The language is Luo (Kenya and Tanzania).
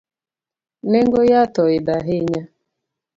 Nengo yath oidho ahinya